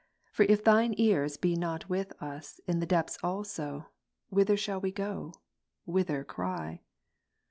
For if Thine ears be not with us Ps. 130, in the depths also, whither shall we go ? whither cry